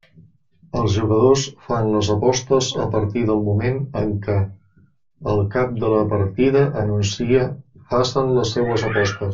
Els jugadors fan les apostes a partir del moment en què el cap de la partida anuncia «facen les seues apostes».